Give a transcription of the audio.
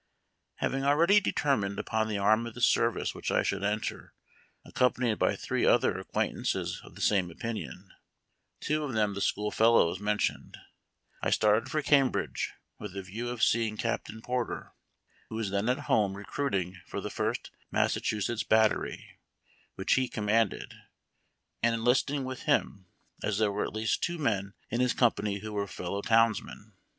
Having already determined upon the arm of the service which I should enter, accompanied by three other acquaint ances of the same opinion, two of them the school fellows mentioned, I started for Cambridge, with a view of seeing Captain Porter, who was then at home recruiting for the First Massachusetts Battery, which he commanded, and enlisting with him, as there were at least two men in his company who were fellow townsmen.